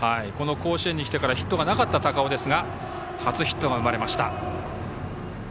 甲子園に来てからヒットがなかった高尾ですが初ヒットが生まれました。